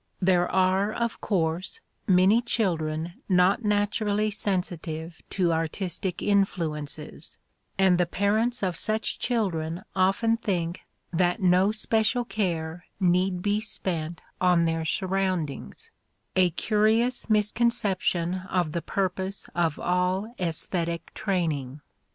There are, of course, many children not naturally sensitive to artistic influences, and the parents of such children often think that no special care need be spent on their surroundings a curious misconception of the purpose of all æsthetic training.